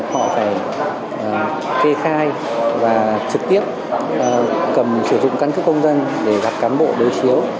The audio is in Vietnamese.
họ phải kê khai và trực tiếp cầm sử dụng căn cước công dân để gặp cán bộ đối chiếu